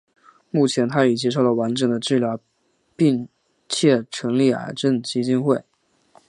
目前她已接受了完整的治疗并且成立癌症基金会。